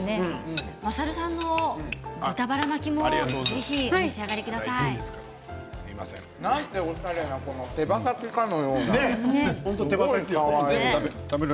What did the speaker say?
まさるさんの豚バラ巻きもお召し上がりください。なんておしゃれな手羽先かのような。